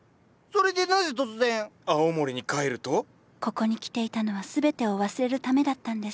ここに来ていたのは全てを忘れるためだったんです。